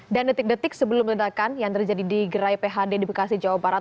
dan detik detik sebelum ledakan yang terjadi di gerai phd di bekasi jawa barat